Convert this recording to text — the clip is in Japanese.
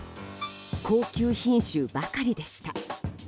高級品種ばかりでした。